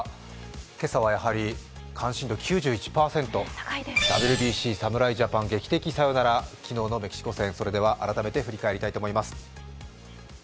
今朝はやはり関心度９１％、ＷＢＣ、侍ジャパン、劇的サヨナラ、昨日のメキシコ戦、それでは、改めて振り返りたいと思います。